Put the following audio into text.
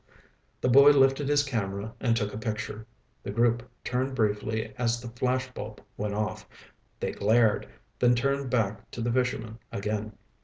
The boy lifted his camera and took a picture. The group turned briefly as the flash bulb went off. They glared, then turned back to the fisherman again.